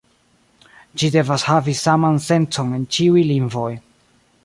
Ĝi devas havi saman sencon en ĉiuj lingvoj.